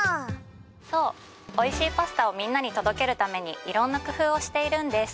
そうおいしいパスタをみんなに届けるために色んな工夫をしているんです